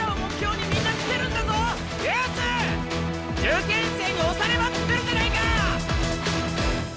受験生に押されまくってるじゃないか！